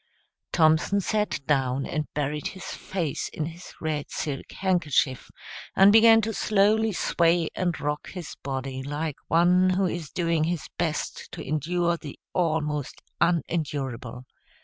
Thompson sat down and buried his face in his red silk handkerchief, and began to slowly sway and rock his body like one who is doing his best to endure the almost unendurable.